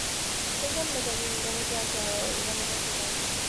其中专门的改进包括引入与自然史和科学有关的单词和短语。